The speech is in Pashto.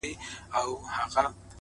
زه په دې خپل سركــي اوبـــه څـــښـمــه-